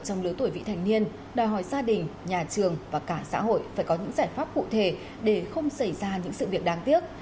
trong lứa tuổi vị thành niên đòi hỏi gia đình nhà trường và cả xã hội phải có những giải pháp cụ thể để không xảy ra những sự việc đáng tiếc